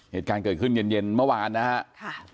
เหตุการณ์เกิดขึ้นเย็นเย็นเมื่อวานนะฮะค่ะ